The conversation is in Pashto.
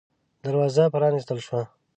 دروازه پرانستل شوه.